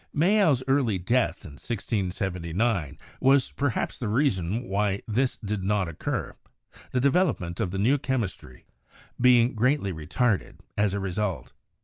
Mayow's early death in 1679 was perhaps the reason why this did not occur, the development of the new chemistry being greatly retarded as a result.